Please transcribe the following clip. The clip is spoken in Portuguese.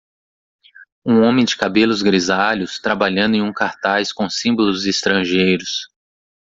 Um homem de cabelos grisalhos, trabalhando em um cartaz com símbolos estrangeiros.